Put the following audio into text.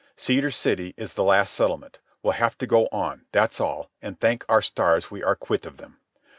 "Cedar City is the last settlement. We'll have to go on, that's all, and thank our stars we are quit of them.